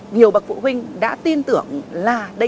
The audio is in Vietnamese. nhiều bậc phụ huynh đã tin tưởng là